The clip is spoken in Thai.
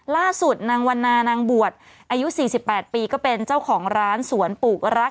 ล่าสุดนางวันนานางบวชอายุ๔๘ปีก็เป็นเจ้าของร้านสวนปลูกรัก